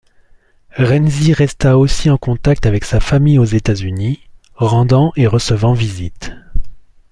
Renzi resta aussi en contact avec sa famille aux États-Unis, rendant et recevant visites.